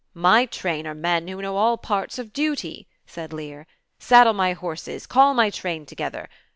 KING LEAR. 2y (( a My train are men who know all parts of duty," said Lear. Saddle my horses, call my train together.